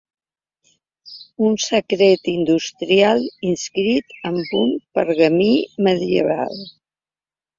Un secret industrial inscrit en un pergamí medieval.